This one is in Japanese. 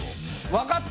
わかった！